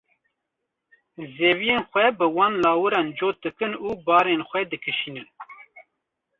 zeviyên xwe bi wan lawiran cot dikin û barên xwe dikişînin.